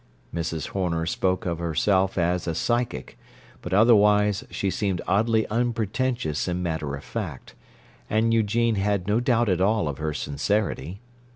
Mrs. Horner spoke of herself as a "psychic"; but otherwise she seemed oddly unpretentious and matter of fact; and Eugene had no doubt at all of her sincerity.